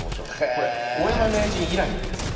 これ大山名人以来なんですよ。